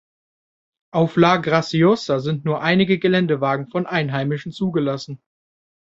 Auf La Graciosa sind nur einige Geländewagen von Einheimischen zugelassen.